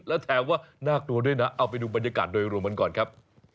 แล้วแถมว่าน่ากลัวด้วยนะเอาไปดูบรรยากาศโดยรวมกันก่อนครับ